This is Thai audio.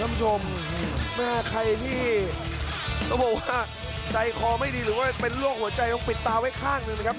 ล้อมาบ่ชมเนี่ยธรรมชมใจคอไม่ดีหรือเป็นรวกหัวใจต้องปิดตาไว้ข้างหนึ่งนะครับ